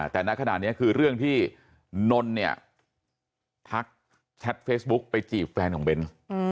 แต่ณขณะนี้คือเรื่องที่นนเนี่ยทักแชทเฟซบุ๊กไปจีบแฟนของเบนส์